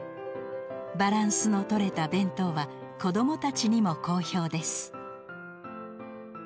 バランスのとれた弁当は子どもたちにも好評です。